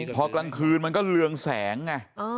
พอกลางคืนมันก็เรืองแสงไง